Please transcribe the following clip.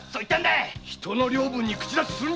人の領分に口出しするな！